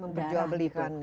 memperjual belikan ya